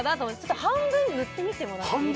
半分塗ってみてもらっていいですか？